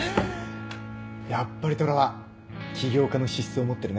やっぱり虎は起業家の資質を持ってるね